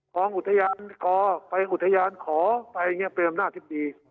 ของอุทยานขอไปอุทยานขอไปเนี่ยเป็นอำนาจที่ดี